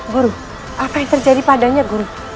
guru apa yang terjadi padanya guru